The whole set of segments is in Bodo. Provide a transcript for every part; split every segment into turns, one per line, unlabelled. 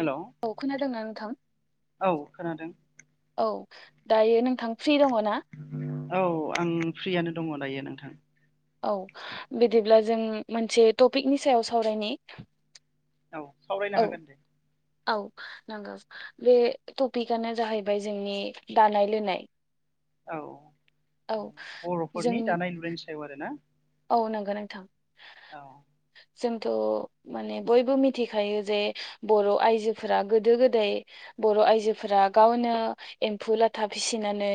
हेलौ
औ खोनादोंना नोंथां
औ खोनादों
औ दायो नोंथां फ्रि दङ ना
औ आं फ्रियनो दङ दायो नोंथां
औ बिदिब्ला जों मोनसे टपिकनि सायाव सावरायनि
औ सावरायनो हागोन दे
नांगौ बे टपिकआनो जाहैबाय जोंनि दानाय- लुनाय।
औ
औ जों
बर'फोरनि दानाय- लुनायनि सायाव आरो ना।
औ नंगौ नोंथां।
औ
जोंथ' माने बयबो मिथिखायो जे बर' आयजोफोरा गोदो गोदाय बर' आइजोफोरा गावनो एम्फौ लाथा फिसिनानै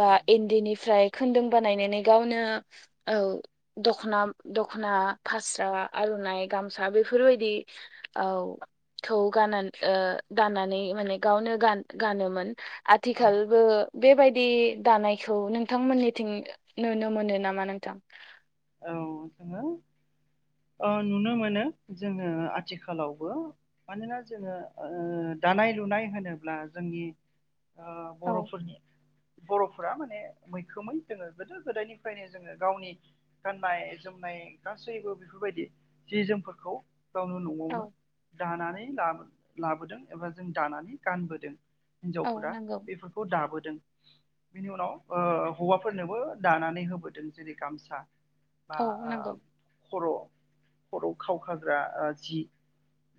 बा
औ
इन्दिनिफ्राय खुदुं बानायनानै गावनो औ दखना दख'ना, फास्रा, आर'नाइ, गामसा बेफोरबायदि औ खौ गान गाननानै माने गावनो गान गानोमोन
औ
आथिखालबो बेबायदि दानायखौ नोंथांमोननिथिं नुनो मोनो नामा नोंथां?
औ जोङो
[inaudible]
ओ नुनो मोनो जोङो आथिखालावबो मानोना जोङो ओ दानाय लुनाय होनोब्ला जोंनि ओ
औ
बर'फोरनि बर'फोरा माने मैखोमै जोङो गोदो - गोदायनिफ्रायनो जोङो गावनि गाननाय - जोमनाय गासैबो बेफोरबायदि जि जोमफोरखौ गावनो न'आवनो दानानै ला लाबोदों एबा जों दानानै गानबोदों
औ
हिनजावफोरा
नंगौ
बेफोरखौ दाबो बिनि उनाव ओ हौवाफोरनोबो दानानै होबोदों जेरै गामसा बा
औ नंगौ
खर'- खर' खावखाग्रा जि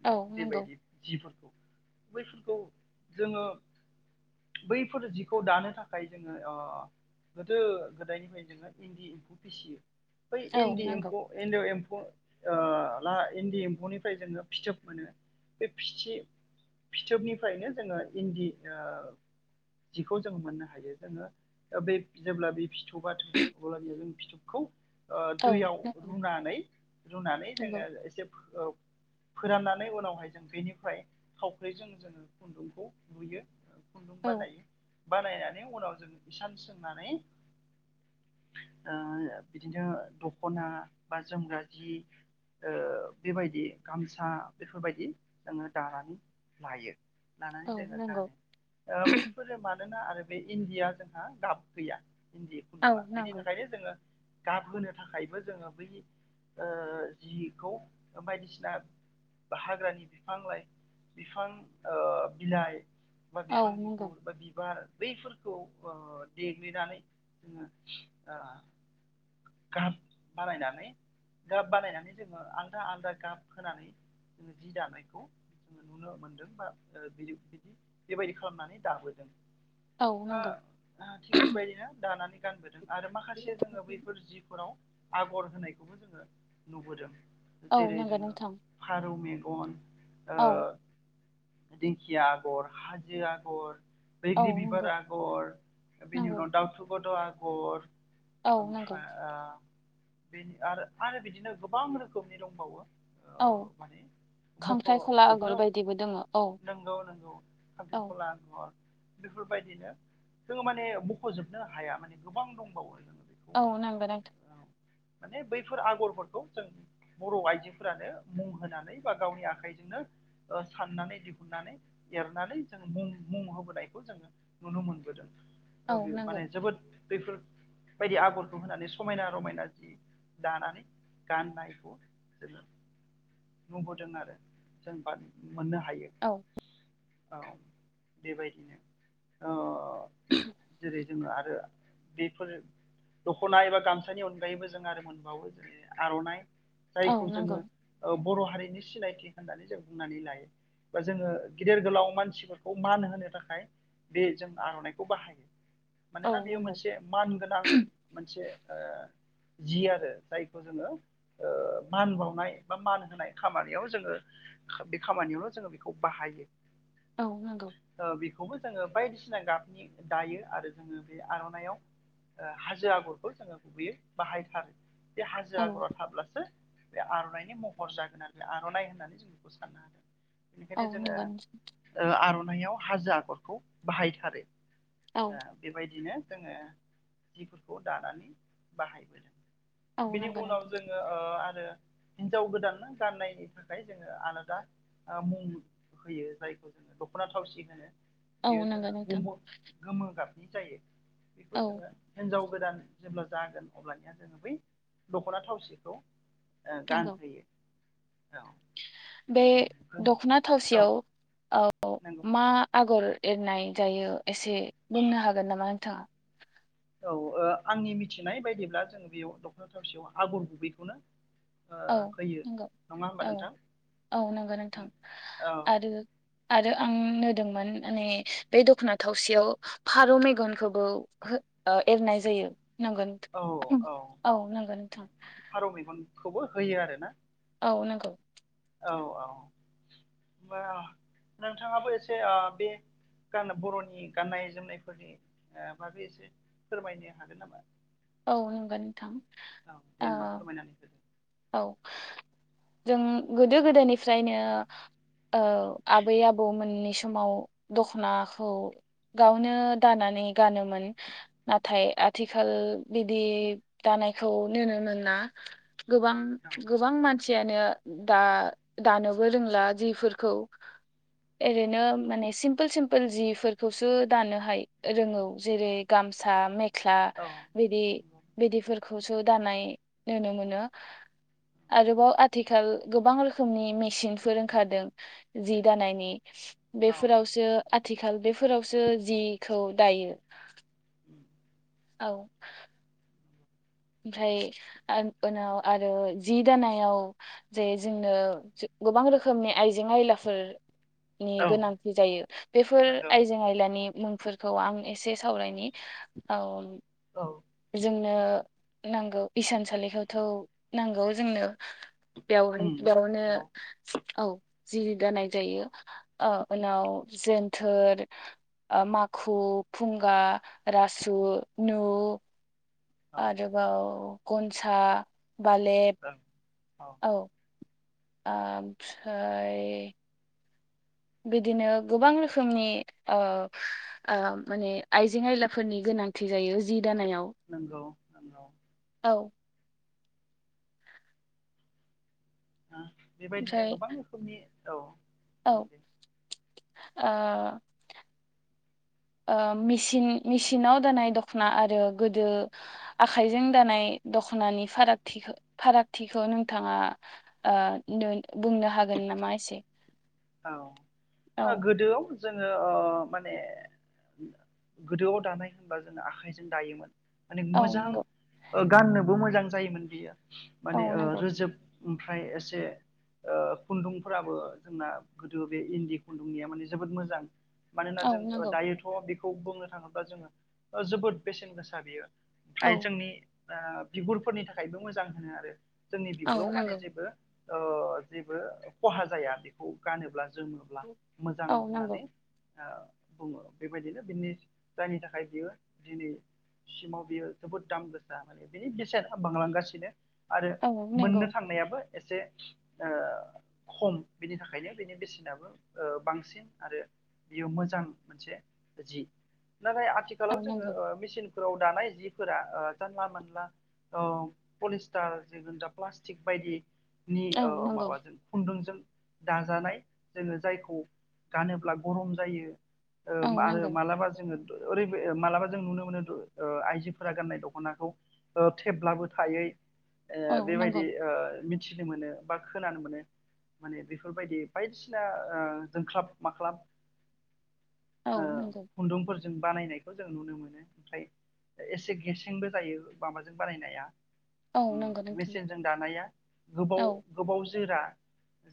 औ नंगौ
बेबायदि जिफोरखौ बैफोरखौ जोङो बैफोर जिखौ दानो थाखाय जोङो ओ गोदो -गोदायनिफ्रायनो जोङो इन्दि एम्फौ फिसियो बै
औ
इन्दि
नंगौ
एम्फौ एन्दो एम्फौ फौ ओ ला इन्दि एम्फौनिफ्राय जोङो फिथोब मोनो बे फिथि फिथोबनिफ्रायनो जोङो इन्दि ओ जिखौ जों मोननो हायो। जोङो बे जेब्ला बे फिथोबा थोबो अब्ला बियो बै फिथोबखौ ओ
औ
दैयाव
नंगौ
रुनानै रुनानै जोङो एसे फो ओ
[inaudible]
फोराननानै उनावहाय जों बेनिफ्राय थावख्रिजों जोङो खुन्दुंखौ लुयो। खुन्दुं
औ
बानायो। बानायनानै उनाव जों इसान सोंनानै ओ बिदिनो दख'ना बा जोमग्रा जि ओ बेबायदि गामसा बेफोरबायदि जोङो दानानै लायो।
औ
लानानै जोङो
नंगौ
गानो। ओ बैफोरो मानोना आरो बे इन्दिया जोंहा गाब गैया। इन्दि
औ
खुन्दुङा बिनि
नंगौ
थाखायनो जोङो गाबहोनो थाखायबो जोङो बै ओ जिखौ ओ बायदिसिना हाग्रानि बिफां लाइ बिफां ओ बिलाइ बा
औ
बिफां
नंगौ
बिगुर बा बिबार बैफोरखौ ओ देग्लिनानै जोङो ओ गाब बानायनानै गाब बानायनानै जोङो आलदा आलदा गाब होनानै जोङो जि दानायखौ जोङो नुनो मोनदों बा ओ बि बिदि बेबायदि खालामनानै दाबोदों।
औ
ओ
नंगौ
थिग बेबायदिनो दानानै गानबोदों। आरो माखासे जोङो बै जिफोराव आगर होनायखौबो जोङो नुबोदों।
औ
जेरै
नंगौ
जोङो
नोंथां
फारौ मे गन ओ
औ
दिंखिया आगर, हाजो आगर,
औ
बैग्रि बिबार
नंगौ
आगर बेनि
नंगौ
उनाव दाउथु गद' आगर
औ
ओ
नंगौ
बे आरो आरो बिदिनो गोबां रोखोमनि दंबावो।
औ। खांख्राइखला आगर
मुख'जोबनो
बायदिबो दोङो औ
नोंगौ नोंगौ
औ
खांख्रिखला आगर। बेफोरबायदिनो जोङो माने मख'जोबनो हाया माने गोबां दंबावो। बेखौ
औ नोंगौ नोंथां।
माने बैफोर आगरफोरखौ जों बर' आइजोफोरानो मुं होनानै बा गावनि आखायजों नो ओ साननानै दिहुननानै एरनानै जों मुं मुं होबोनायखौ जोङो नुनो मोनबोदों।
औ
ओ बे
नंगौ
माने जोबोद बेफोर बायदि आगरखौ होनानै समायना रमायना जि दानानै गाननायखौ जोङो नुबोदों आरो जों बा मोननो हायो।
औ
औ बेबायदिनो ओ जेरै जोङो आरो बेफोर दख'ना एबा गामसानि अनगायैबो जों आरो मोनबावो। जेरै आर'नाइ
औ
जायखौ
नंगौ
जोङो ओ बर' हारिनि सिनायथि होननानै जों बुंनानै लायो। बा जोङो गिदेर गोलाव मानसिफोरखौ मान होनो थाखाय बे जों आर'नाइखौ बाहायो।
औ
मानोना बेयो
नंगौ
मोनसे मान गोनां मोनसे ओ
[inaudible]
जि आरो जायखौ जोङो ओ मान बावनाय बा मान होनाय खामानियाव जोङो बे खामानियावनो जोङो बेखौ बाहायो।
औ नोंगौ।
खौबो जोङो बायदिसिना गाबनि दायो आरो जोङो बे आर'नाइयाव ओ हाजो आगरखौ जोङो गुबैयो बाहायथारो। बे हाजो
औ
आग'रा थाब्लासो बे आर'नाइनि महर जागोन आरो आर'नाइ होननानै जों बेखौ साननो हादों।
औ
बेनिखायनो जोंङो
नंगौ नोंथां
ओ आर' नायाव हाजो आगरखौ बाहायथारो
औ
ओ बेबायदिनो जोङो जिफोरखौ दानानै बाहायबोदों
औ
बेनि
नंगौ
उनाव
नोंथां
जोंङो ओ आरो हिनजाव गोदान गाननायनि थाखाय जोंङो आलादा मुं होयो जायखौ जोंङो दख'ना थावसि होनो।
औ
बेयो
नंगौ
जोंङा
नोंथां
गोम गोमो गाबनि जायो बेखौ
औ
जोङो हिनजाव गोदान जेब्ला जागोन अब्लानिया जोंङो बै दख'ना थावसिखौ ओ
नंगौ
गानहोयो औ
बे
उम
दख'ना
औ
थावसियाव ओ
नंगौ
मा आ गर एरनाय जायो एसे बुंनो हागोन नामा नोंथांङा
औ आंनि मिथिनाय बायदिब्ला जोंङो बेयाव दख'ना थावसियाव आगर गुबैखौनो ओ
औ
होयो
नंगौ
नङा होमबा
औ
नोंथां
औ नंगौ नोंथां
औ
आरो आरो आं नुदोंमोन माने बे दख'ना थावसेयाव फारौ मेगनखौबो ओ एरनाय जायो नांगो नोंथां औ नंगौ नोंथां
खौबो होयो आरो ना
औ नंगौ
औ औ ओमबा नोंथाङाबो एसे ओ बे गान बर'नि गाननाय जोमनायफोरनि ओ बागै एसे फोरमायनो हागोन नामा
औ हागोन नोंथां
औ दे
ओ
होमबा फोरमायनानै होदो
औ जों गोदो गोदोनिफ्रायनो औ आबै आबौमोननि समाव दख'नाखौ गावनो दाना नै गानोमोन नाथाय आथिखाल बिदि दानायखौ नुनो मोना ना गोबां
औ
गोबां मानसियानो दा दानोबो रोंला जिफोरखौ ओरैनो माने सिम्पोल सिम्पोल जिफोरखौसो दानो हायो रोंगौ जेरै गाम सा मेख्ला
औ
बिदि
नंगौ
बिदिफोरखौसो दानाय नुनो मोनो। आरोबाव आथिखाल गोबां रोखोमनि मेसिनफोर ओंखारदों जि दानायनि
औ
बेफोरावसो आथिखाल बेफोरावसो जिखौ दायो।
उम
औ ओमफ्राय ओ उनाव आरो जि दानायाव जे जोंनो गोबां रोखोमनि आइजें आयलाफोर नि
औ
गोनांथि जायो बेफोर
नंगौ
आइजें आयलानि मुंफोर खौ आं एसे सावरायनि औ
औ
जोंनो नांगौ इसानसालिखौथ' नांगौ जोंनो बेयावनो
उम
बेयावनो
नंगौ
औ जि दानाय जायो ओ उनाव जोन्थोर ओ माखु फुंगा रासु नु
औ
आरोबाव गनसा बालेब
ओं
औ ओमफ्राय बिदिनो गोबां रोखोमनि ओ माने आइजें आयलाफोरनि गो नांथि जायो जि दानायाव
नंगौ नंगौ
औ
बेबायदिनो
ओमफ्राय
गोबां रोखोमनि औ
औ ओ
बुं दे
ओ मेसिन मेसिनाव दानाय दख'ना आरो गोदो आखाइजों दानाय दख'नानि फारागथि फारागथिखौ नोंथांङा ओ नो बुंनो हागो नामा एसे
औ
औ
ओ गोदोआव जोङो ओ माने गोदोआव दानाय होनब्ला जोङो आखाइजों दायोमोन। माने
औ
मोजां
नंगौ
ओ गाननोबो मोजां जायोमोन बियो
औ
माने ओ
नंगौ
रोजोब ओमफ्राय एसे ओ खुनदुंफोराबो जोंना गोदो बे इनदि खुनदुंनिया माने जोबोद मोजां मानोना
औ
जों
नंगौ
दायोथ' बे खौ बुंनो थांङोब्ला जोङो जोबोद बेसेन गोसा बियो
औ
ओमफ्राय जोंनि ओ बिगुरफोरनि थाखायबो मोजां होनो आरो जोंनि
औ
बिगुराव माने
नंगौ
जेबो ओ जेबो खहा जाया बेखौ गानोब्ला जोमोब्ला मोजां
औ
होननानै
नंगौ
ओ बुंङो बेबायदिनो बिनि जायनि थाखाय बियो दिनै सिमाव बियो जोबोद दाम गोसा माने बेनि बेसेना बांलांगासिनो आरो
औ
मोननो
नंगौ
थांनायाबो एसे ओ खम बेनि थाखायनो बेनि बेसेनाबो ओ बांसिन आरो बियो मोजां मोनसे जि। नाथाय आथिखालाव
औ
जोङो
नंगौ
ओ मेसिनफोराव दानाय जिफोरा ओ जानला मोनला ओ पलिस्टार जेजों जा प्लास्टिक बायदि नि
औ
ओ
नंगौ
माबाजों खुनदुंजों दा जानाय जोङो जायखौ गानोब्ला गरम जायो। ओ
औ नंगौ
आरो मालाबा जोङो ओरै बे मालाबा जों नुनो मोनो ओ आइजोफोरा गाननाय दख'नाखौ ओ थेबब्लाबो थायै ओ
औ नंगौ
बेबायदि ओ मिथिनो मोनो बा खोनानो मोनो माने बे फोरबायदि बायदिसिना ओ जोंख्लाब माख्लाब
औ नंगौ।
जों बानायनायखौ जों नुनो मोनो ओमफ्राय एसे गेसेंबो जायो माबाजों बानायनाया
औ
उम
नंगौ नोंथां
मेचिनजों दानाया गोबाव
औ
गोबाव जोरा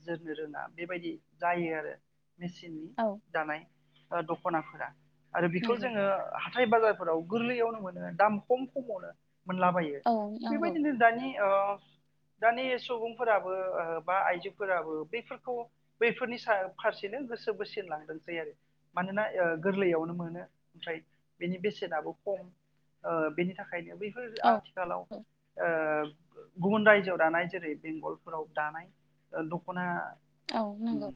जोरनो रोङा बेबायदि जायो आरो मेचिननि
औ
दानाय ओ दख'नाफोरा आरो बेखौ
नंगौ
जोङो हा थाय बाजारफोराव गोरलैयावनो मोनो दाम खम खमावनो मोनलाबायो
औ नंगौ
बेबायदिनो दानि ओ दानि सुबुंफोराबो ओ बा आइजोफोराबो बेफोरखौ बैफोरनि सा फारसेनो गोसो बोसिन लांदोंसै आरो मानोना ओ गोरलैयाव नुनो मोनो ओमफ्राय बेनि बेसेनाबो खम ओ बेनि था खायनो बैफोर
औ
आथिखालाव ओ गुबुन रायजोआव दानाय जेरै बेंगलफोराव दानाय दख'ना
औ नंगौ।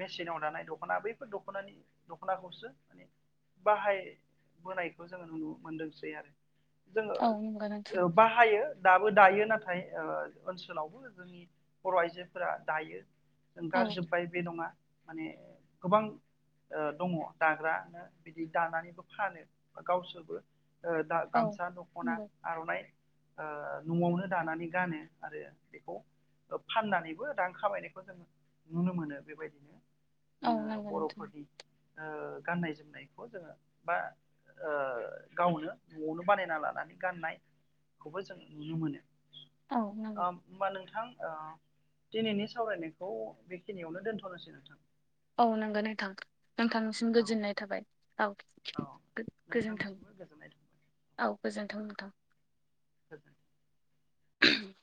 मेचिनाव दानाय दख'ना बैफोर दख'नानि दख'नाखौसो माने बाहायबोनायखौ जोङो नुनो मोनदोंसै आरो जोङो
औ नंगौ नोंथां
ओ बाहायो दाबो दायो नाथाय ओ ओनसोलावबो जोंनि बर' आइजोफोरा दायो।
औ
ओंखारजोबबाय बे नंङा माने गोबां ओ दंङ दाग्राना बिदि दानानैबो फानो बा गावसोरबो ओ दा
औ
गामसा दख'ना
नंगौ
आर'नाइ ओ न'आवनो दानानै गानो आरो बेखौ ओ फाननानै बो रां खामायनायखौ जों नुनो मोनो बेबायदिनो।
औ
जोङो
नंगौ नोंथां।
बर'फोरनि ओ गाननाय जोमनायखौ जोङो बा ओ गावनो न'आवनो बानायना लानानै गाननाय खौबो जों नुनो मोनो।
औ
ओ
नंगौ
होमबा नोंथां ओ दिनैनि सावरायनायखौ बेखिनियावनो दोनथ'नोसै नोंथां।
औ नंगौ नोंथां नोंथांनिसिम
औ
गोजोननाय थाबाय औ।
औ
गो-गोजोनथों
नोंथांनिसिमबो गोजोननाय थाबाय
औ गोजोनथों नोंथां।
होगोन
[unintelligible]